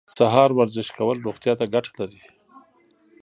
سهار ورزش کول روغتیا ته ګټه لري.